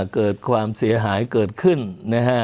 เกิดความเสียหายเกิดขึ้นนะฮะ